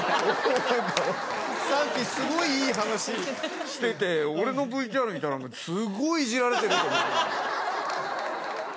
さっきすごいいい話してて俺のＶＴＲ見たらすごいいじられてると思って。